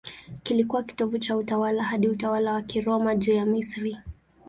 Kilikuwa kitovu cha utawala hadi utawala wa Kiroma juu ya Misri.